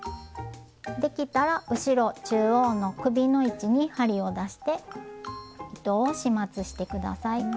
できたら後ろ中央の首の位置に針を出して糸を始末して下さい。